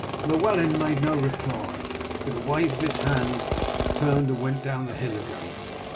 Llewellyn made no reply, but with a wave of his hand turned and went down the hill again.